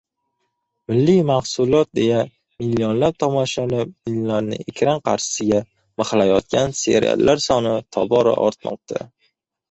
Milliy mahsulot, deya millionlab tomoshabinlarni ekran qarshisiga “mixlayotgan” seriallar soni tobora ortmoqda.